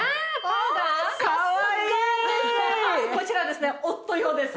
こちらですね夫用です。